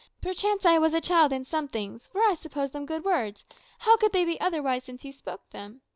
Perchance I was a child in some things. For I supposed them good words; how could they be otherwise, since you spoke them?